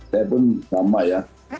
saya pun sama ya